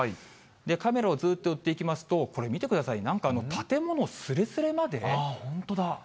カメラをずっと寄っていきますと、これ、見てください、なんか建物本当だ。